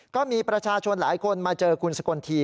ก็มีประชาชนหลายคนมาเจอคุณสกลที